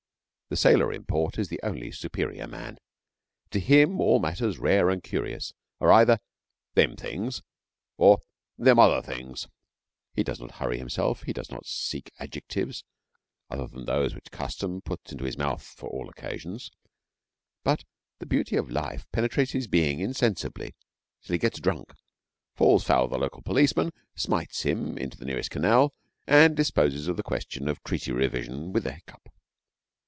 The sailor in port is the only superior man. To him all matters rare and curious are either 'them things' or 'them other things.' He does not hurry himself, he does not seek Adjectives other than those which custom puts into his mouth for all occasions; but the beauty of life penetrates his being insensibly till he gets drunk, falls foul of the local policeman, smites him into the nearest canal, and disposes of the question of treaty revision with a hiccup.